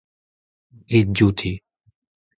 grit diouti.